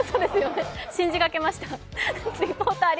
信じかけました。